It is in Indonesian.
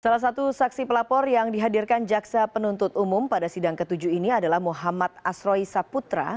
salah satu saksi pelapor yang dihadirkan jaksa penuntut umum pada sidang ke tujuh ini adalah muhammad asroi saputra